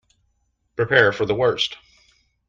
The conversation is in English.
Prepare for the worst!